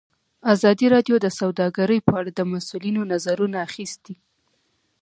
ازادي راډیو د سوداګري په اړه د مسؤلینو نظرونه اخیستي.